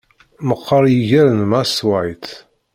Meqqeṛ yiger n Mass White.